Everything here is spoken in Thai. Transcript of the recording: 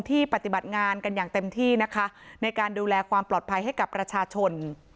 ปฏิบัติงานกันอย่างเต็มที่นะคะในการดูแลความปลอดภัยให้กับประชาชน